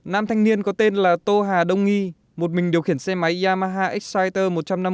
nam thanh niên có tên là tô hà đông nghi một mình điều khiển xe máy yamaha exciter một trăm năm mươi